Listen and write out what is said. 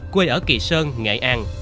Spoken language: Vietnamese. quê ở kỳ sơn nghệ an